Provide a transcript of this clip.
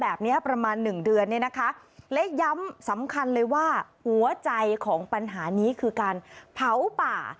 แบบนี้ประมาณหนึ่งเดือนเนี่ยนะคะและย้ำสำคัญเลยว่าหัวใจของปัญหานี้คือการเผาป่า